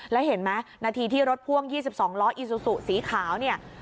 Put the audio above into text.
แล้วเห็นไหมนาทีที่รถพ่วง๒๒ล้ออีซูซูสีขาวเนี่ย